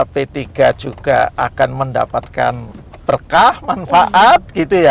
p tiga juga akan mendapatkan berkah manfaat